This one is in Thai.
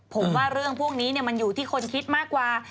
ผมว่าเรื่องพวกนี้มันอยู่ที่คนคิดมากกว่า